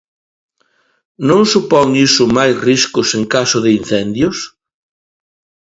Non supón iso máis riscos en caso de incendios?